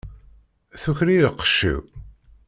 Tuker-iyi lqecc-iw!